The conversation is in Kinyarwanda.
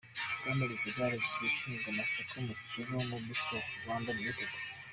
Bwana Ruziga Alexis ushinzwe amasoko mu kigo Mobisol Rwanda Limited.